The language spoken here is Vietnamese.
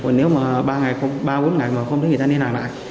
còn nếu mà ba ngày ba bốn ngày mà không thấy người ta nên làm lại